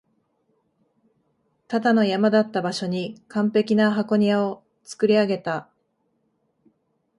ただの山だった場所に完璧な箱庭を造り上げた